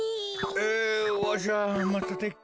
えわしゃまたてっきり。